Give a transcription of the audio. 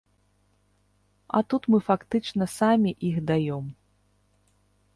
А тут мы фактычна самі іх даём.